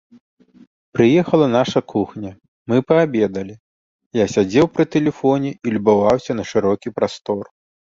Прыехала наша кухня, мы паабедалі, я сядзеў пры тэлефоне і любаваўся на шырокі прастор.